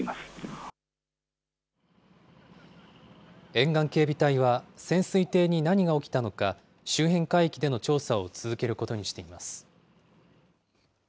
沿岸警備隊は、潜水艇に何が起きたのか、周辺海域での調査を続けることにしています。